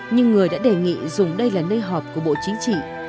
nhưng người đã đề nghị dùng đây là nơi họp của bộ chính trị